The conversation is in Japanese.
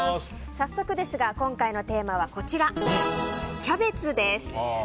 早速ですが今回のテーマはキャベツです。